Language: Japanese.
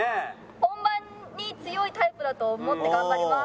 本番に強いタイプだと思って頑張ります。